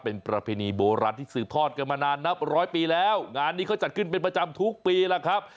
เป็นประเพณีโบราณที่สืบทอดกันมานานนับร้อยปีแล้วงานนี้เขาจัดขึ้นเป็นประจำทุกปีแล้วครับ